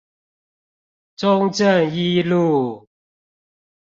中正一路